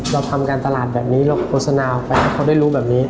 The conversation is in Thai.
เราทำการตะลาดแบบนี้เราโปรสโน้วไป